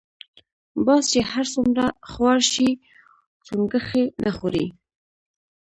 باز چی هر څومره خوار شی چونګښی نه خوري .